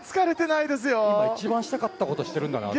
いま一番したかったことしてるんだなって。